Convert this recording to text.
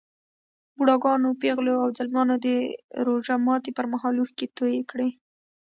بوډاګانو، پېغلو او ځلمیانو د روژه ماتي پر مهال اوښکې توی کړې.